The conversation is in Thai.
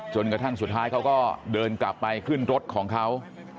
จนกระทั่งสุดท้ายเขาก็เดินกลับไปขึ้นรถของเขา